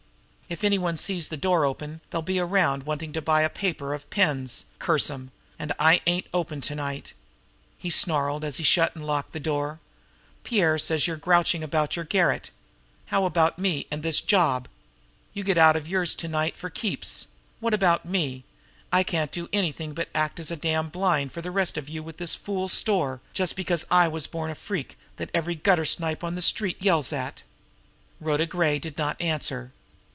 "If anybody sees the door open, they'll be around wanting to buy a paper of pins curse 'em! and I ain't open to night." He snarled as he shut and locked the door. "Pierre says you're grouching about your garret. How about me, and this job? You get out of yours to night for keeps. What about me? I can't do anything but act as a damned blind for the rest of you with this fool store, just because I was born a freak that every gutter snipe on the street yells at!" Rhoda Gray did not answer.